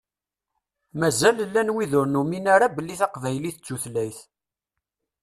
Mazal llan wid ur numin ara belli taqbaylit d tutlayt.